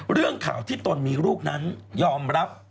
เรื่องข่าวที่ตนมีลูกนั้นยอมรับ